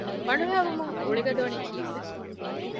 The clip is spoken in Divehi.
ބަނޑުހައި ވުމުން ރުޅި ގަދަވަނީ ކީއްވެ؟